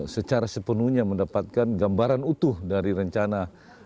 secara sepenuhnya mendapatkan gambaran utuh dari rencana